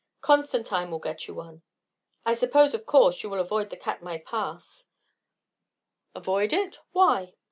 "Constantine will get you one. I suppose, of course, you will avoid the Katmai Pass?" "Avoid it? Why?"